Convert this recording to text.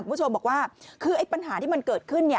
คุณผู้ชมบอกว่าคือไอ้ปัญหาที่มันเกิดขึ้น